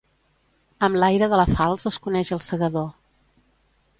Amb l'aire de la falç es coneix el segador.